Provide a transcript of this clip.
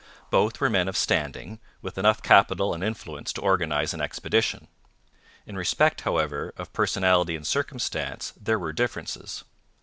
Both were men of standing, with enough capital and influence to organize an expedition. In respect, however, of personality and circumstance there were differences.